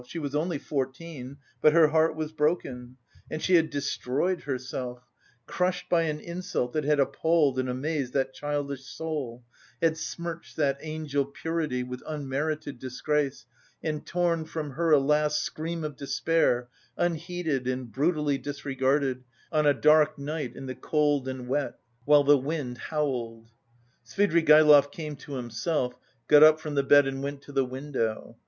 She was only fourteen, but her heart was broken. And she had destroyed herself, crushed by an insult that had appalled and amazed that childish soul, had smirched that angel purity with unmerited disgrace and torn from her a last scream of despair, unheeded and brutally disregarded, on a dark night in the cold and wet while the wind howled.... Svidrigaïlov came to himself, got up from the bed and went to the window.